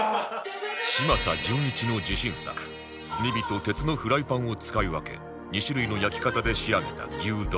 嶋佐じゅんいちの自信作炭火と鉄のフライパンを使い分け２種類の焼き方で仕上げた牛丼